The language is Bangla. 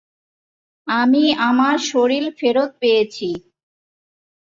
আমি আমার শরীর ফেরত পেয়েছি।